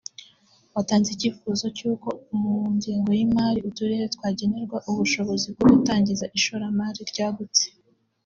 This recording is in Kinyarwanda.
watanze icyifuzo cy’uko mu ngengo y’imari uturere twagenerwa ubushobozi bwo gutangiza ishoramari ryagutse